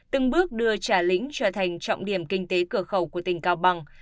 từng bước đưa trà lĩnh trở thành trọng điểm kinh tế cửa khẩu của tỉnh cao bằng